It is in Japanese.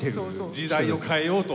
時代を変えようと。